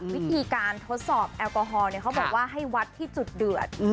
วิธีการทดสอบแอลกอฮอลเขาบอกว่าให้วัดที่จุดเดือด